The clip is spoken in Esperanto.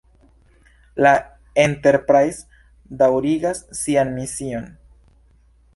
La Enterprise daŭrigas sian mision.